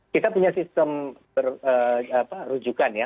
kita punya sistem rujukan ya